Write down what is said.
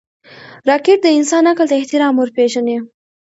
راکټ د انسان عقل ته احترام ورپېژني